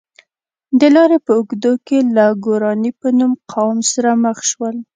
د لارې په اوږدو کې له ګوراني په نوم قوم سره مخ شول.